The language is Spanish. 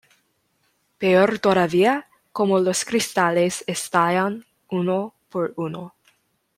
Peor todavía, como los cristales estallan uno por uno.